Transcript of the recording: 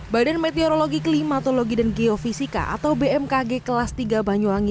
badan meteorologi klimatologi dan geofisika atau bmkg kelas tiga banyuwangi